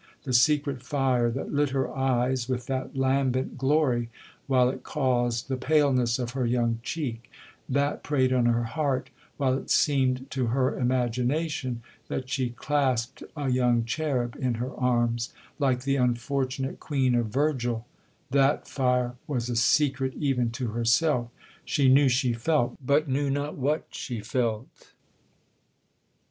The secret fire that lit her eyes with that lambent glory, while it caused the paleness of her young cheek,—that preyed on her heart, while it seemed to her imagination that she clasped a young cherub in her arms, like the unfortunate queen of Virgil,—that fire was a secret even to herself.—She knew she felt, but knew not what she felt.